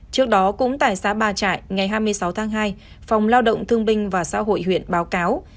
trước đó cũng tại xã ba trại ngày hai mươi sáu tháng hai phòng lao động thương binh và xã hội huyện báo cáo